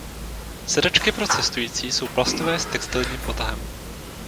Sedačky pro cestující jsou plastové s textilním potahem.